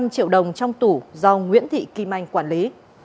ba trăm ba mươi năm triệu đồng trong tủ do nguyễn thị kim anh quản lý